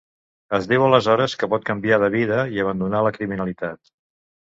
Es diu aleshores que pot canviar de vida i abandonar la criminalitat.